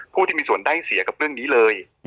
ผู้ที่มีส่วนได้เสียกับเรื่องนี้เลย